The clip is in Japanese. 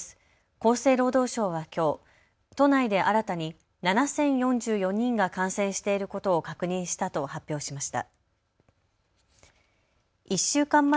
厚生労働省はきょう都内で新たに７０４４人が感染していることを確認したと発表しました。